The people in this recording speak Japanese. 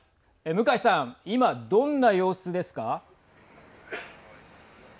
向井さん、今どんな様子ですか。